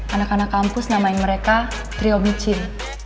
anak anak kampus namain mereka trio micin